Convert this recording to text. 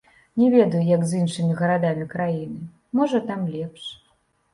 Не ведаю, як з іншымі гарадамі краіны, можа, там лепш.